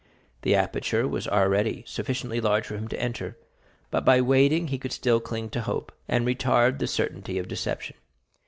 The aperture was already sufficiently large for him to enter, but by waiting, he could still cling to hope, and retard the certainty of deception.